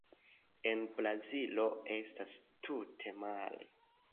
En Brazilo estas tute male.